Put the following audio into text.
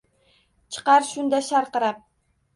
Chiqar shunda sharqirab.